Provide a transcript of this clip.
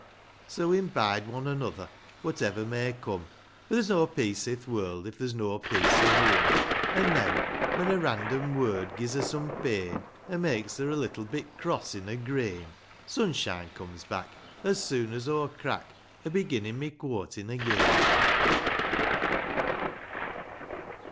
So, we'n bide one another, whatever may come ; For, there's no peace i'th world if there's no peace a whoam ; An' neaw, when a random word gi's her some pain, Or makes her a little bit cross in her grain, Sunshine comes back, As soon as aw crack O' beginning my cwortin' again.